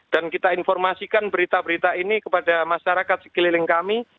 dan kita informasikan berita berita ini kepada masyarakat sekeliling kami